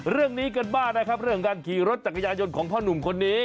เรื่องนี้กันบ้างนะครับเรื่องการขี่รถจักรยายนต์ของพ่อหนุ่มคนนี้